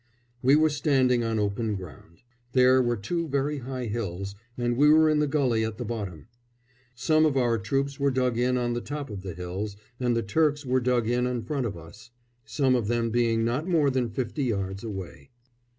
We were standing on open ground. There were two very high hills, and we were in the gulley at the bottom. Some of our troops were dug in on the top of the hills, and the Turks were dug in in front of us, some of them being not more than fifty yards away.